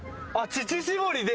乳搾りで。